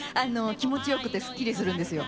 気持ちよくてすっきりするんです。